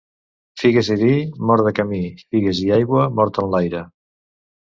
Figues i vi, mort de camí; figues i aigua, mort enlaire.